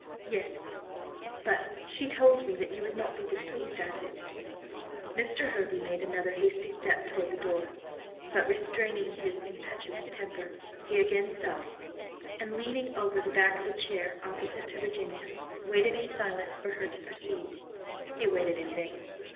"Yes; but she told me that you would not be displeased at it." Mr. Hervey made another hasty step toward the door, but restraining his impetuous temper, he again stopped, and leaning ever the back of a chair, opposite to Virginia, waited in silence for her to proceed. He waited in vain.